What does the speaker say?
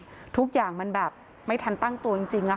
พอเขาเดินทางเพื่อนเขาก็โทรบอกว่าตอนนี้ถึงไหนแล้ว